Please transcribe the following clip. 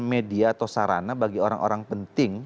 media atau sarana bagi orang orang penting